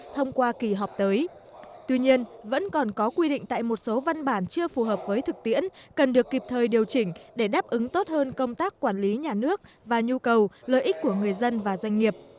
tuy nhiên vẫn còn có quy định tại một số văn bản chưa phù hợp với thực tiễn cần được kịp thời điều chỉnh để đáp ứng tốt hơn công tác quản lý nhà nước và nhu cầu lợi ích của người dân và doanh nghiệp